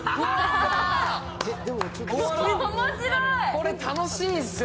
これ、楽しいっすよ。